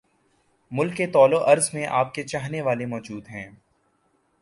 ملک کے طول وعرض میں آپ کے چاہنے والے موجود ہیں